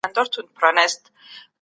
دا انسانان سره نږدې کوي.